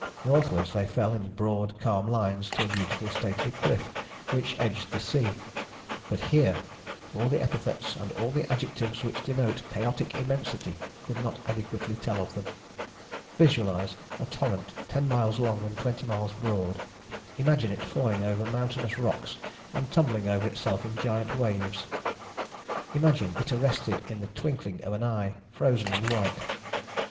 Northwards they fell in broad calm lines to a beautiful stately cliff which edged the sea. But here all the epithets and all the adjectives which denote chaotic immensity could not adequately tell of them. Visualize a torrent ten miles long and twenty miles broad; imagine it falling over mountainous rocks and tumbling over itself in giant waves; imagine it arrested in the twinkling of an eye, frozen and white.